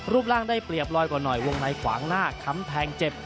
ร่างได้เปรียบลอยกว่าหน่อยวงในขวางหน้าค้ำแทงเจ็บ